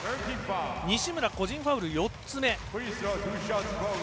西村、個人ファウル４つ目。